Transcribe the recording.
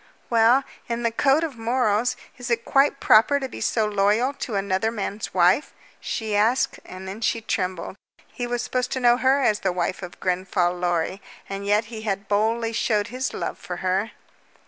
"Well, in the code of morals, is it quite proper to be so loyal to another man's wife?" she asked, and then she trembled. He was supposed to know her as the wife of Grenfall Lorry, and yet he had boldly shown his love for her.